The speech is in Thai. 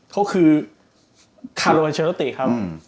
เขาคือคารัลอัลเชอร์ติครับ